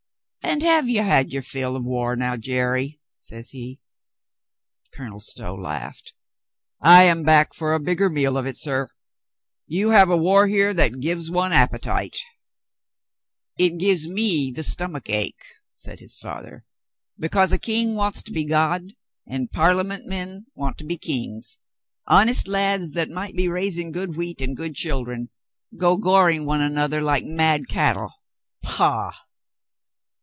"And have you had your fill of war now, Jerry ?" says he. Colonel Stow laughed. "I am back for a bigger meal of it, sir. You have a war here that gives one appetite." 40 COLONEL GREATHEART "It gives me the stomach ache," said his father. "Because a king wants to be God, and Parliament men want to .be kings, honest lads that might be raising good wheat and good children go goring one another like mad cattle — pah!